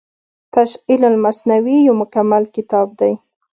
تشعيل المثنوي يو مکمل کتاب دی